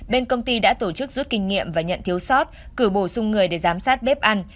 bên công ty đã tổ chức rút kinh nghiệm và nhận thiếu sót cử bổ sung người để giám sát bếp ăn